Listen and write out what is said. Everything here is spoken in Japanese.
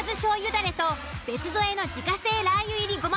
だれと別添えの自家製ラー油入り胡麻